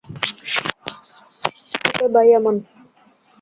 ওকে bye আমান।